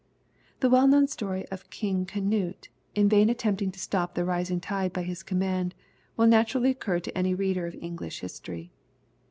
] The well known story of King Canute, in vain attempting to stop the rising tide by his command, will naturally occur to any reader of English history.